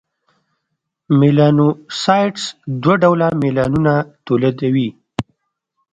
میلانوسایټس دوه ډوله میلانون تولیدوي: